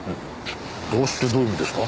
無駄足ってどういう意味ですか？